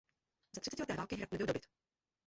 Za třicetileté války hrad nebyl dobyt.